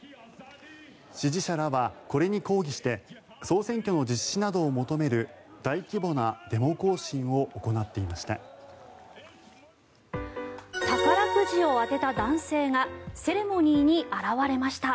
支持者らはこれに抗議して総選挙の実施などを求める大規模なデモ行進を行っていました。